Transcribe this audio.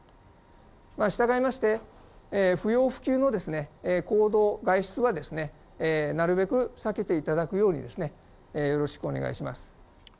従いまして、不要不急の行動、外出はなるべく避けていただくように、よろしくお願いします。